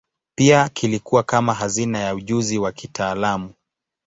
Pia kilikuwa kama hazina ya ujuzi wa kitaalamu.